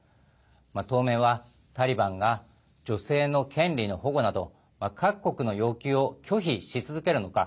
当面は、タリバンが女性の権利の保護など各国の要求を拒否し続けるのか。